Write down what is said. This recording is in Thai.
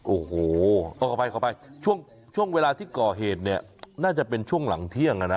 โอ้โหขออภัยขออภัยช่วงเวลาที่ก่อเหตุเนี่ยน่าจะเป็นช่วงหลังเที่ยงอ่ะนะ